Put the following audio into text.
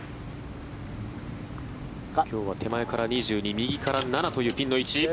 今日は手前から２２右から７というピンの位置。